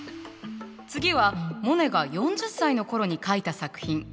次はモネが４０歳の頃に描いた作品。